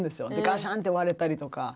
ガシャンって割れたりとか。